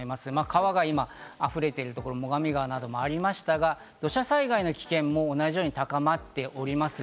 川が今、溢れているところ、最上川などがありましたが、土砂災害の危険も同じように高まっております。